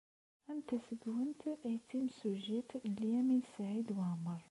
Anta seg-went ay d timsujjit n Lyamin n Saɛid Waɛmeṛ?